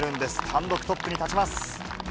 単独トップに立ちます。